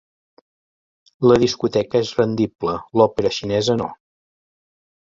La discoteca és rendible; l'òpera xinesa no.